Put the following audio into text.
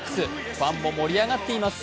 ファンも盛り上がっています。